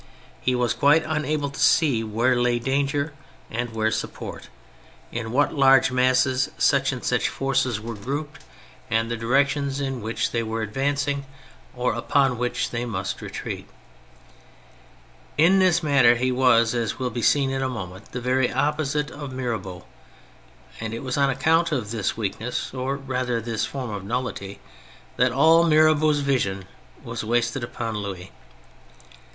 He was quite unable to see where lay danger and where support, in what large masses such and such forces were 44 THE FRENCH REVOLUTION grouped, and the directions in which they were advancing, or upon which they must retreat* In this matter he was, as will be seen in a moment, the very opposite of Mirabeau, ^nd it was on account of this weakness, or rather this form of nullity, that all Mirabeau's vision was wasted upon Louis.